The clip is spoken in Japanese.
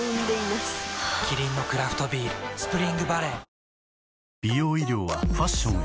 キリンのクラフトビール「スプリングバレー」